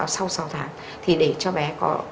sau sáu tháng thì để cho bé có